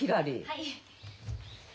はい。